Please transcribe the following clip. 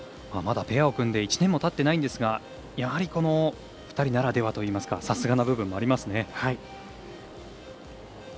まだペアを組んで１年もたってないんですがやはりこの２人ならではといいますかさすがの部分もありますね。